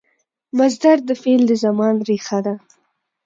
مصدر د فعل د زمان ریښه ده.